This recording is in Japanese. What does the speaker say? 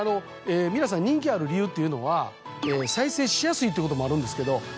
皆さん人気ある理由というのは再生しやすいってこともあるんですけど。